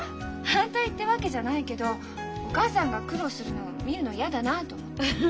反対ってわけじゃないけどお母さんが苦労するの見るの嫌だなあと思って。